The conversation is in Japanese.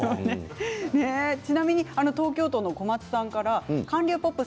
ちなみに東京都の方から韓流ポップス